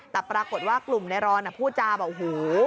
แต่ปรากฏว่ากลุ่มในรอนพูดจาบอกหู